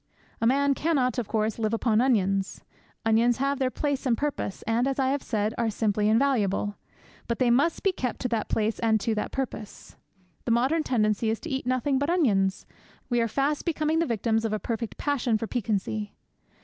A man cannot, of course, live upon onions. Onions have their place and their purpose, and, as I have said, are simply invaluable. But they must be kept to that place and to that purpose. The modern tendency is to eat nothing but onions. We are fast becoming the victims of a perfect passion for piquancy.